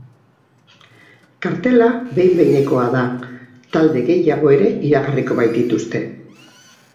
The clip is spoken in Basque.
Kartela behin-behinekoa da, talde gehiago ere iragarriko baitituzte.